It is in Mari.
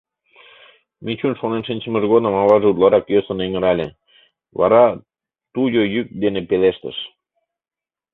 Мичун шонен шинчымыж годым аваже утларак йӧсын эҥырале, вара туйо йӱк дене пелештыш: